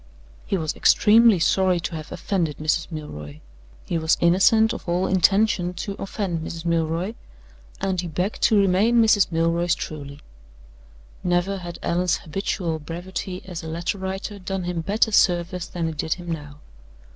"He was extremely sorry to have offended Mrs. Milroy. He was innocent of all intention to offend Mrs. Milroy. And he begged to remain Mrs. Milroy's truly." Never had Allan's habitual brevity as a letter writer done him better service than it did him now.